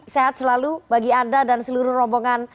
sehat selalu bagi anda dan seluruh rombongan